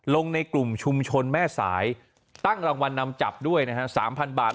ในกลุ่มชุมชนแม่สายตั้งรางวัลนำจับด้วยนะฮะ๓๐๐บาท